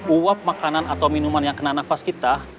uap makanan atau minuman yang kena nafas kita